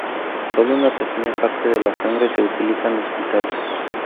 Sólo una pequeña parte de la sangre se utiliza en Hospitales.